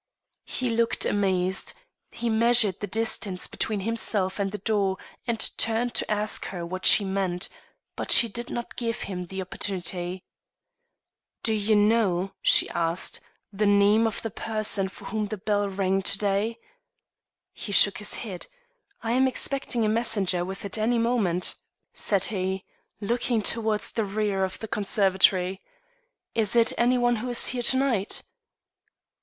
He looked amazed; he measured the distance between himself and the door and turned to ask her what she meant, but she did not give him the opportunity. "Do you know," she asked, "the name of the person for whom the bell rang to day?" He shook his head. "I am expecting a messenger with it any moment," said he, looking towards the rear of the conservatory. "Is it any one who is here to night?"